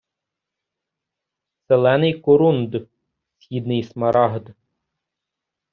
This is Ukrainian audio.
Зелений корунд – східний смарагд